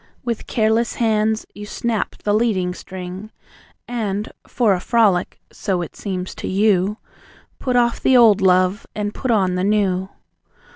With careless hands you snap the leading string, And, for a frolic (so it seems to you), Put off the old love, and put on the new.